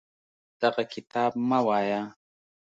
دغه کتاب مه وایه.